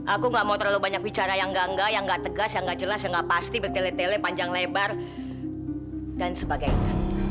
aku gak mau terlalu banyak bicara yang gangga yang nggak tegas yang nggak jelas yang nggak pasti bertele tele panjang lebar dan sebagainya